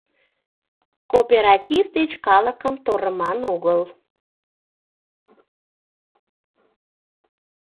КООПЕРАТИВ ДЕЧ КАЛЫКЫМ ТОРЫМАН ОГЫЛ